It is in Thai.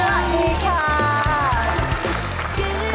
สวัสดีค่ะ